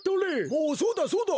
おおそうだそうだ。